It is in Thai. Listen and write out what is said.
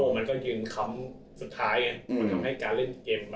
เพราะว่าเนื้อรมน์มันก็อยู่ในคลัมสุดท้ายจ๊ะ